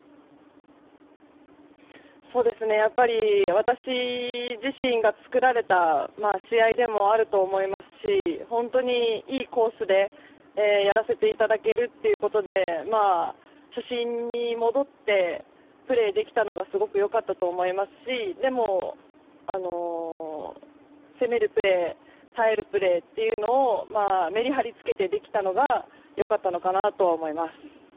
私自身が作られた試合でもあると思いますし本当にいいコースでやらせていただけるということで初心に戻ってプレーできたのがすごくよかったと思いますしでも、攻めるプレー耐えるプレーというのをメリハリつけてできたのがよかったのかなとは思います。